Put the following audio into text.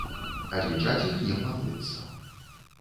Адлічаць іх не плануецца.